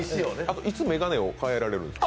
いつ、眼鏡を変えられるんですか？